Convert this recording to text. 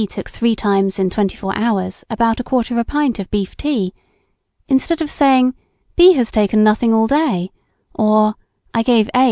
took three times in 24 hours about 1/4 pint of beef tea;" instead of saying "B. has taken nothing all day," or "I gave A.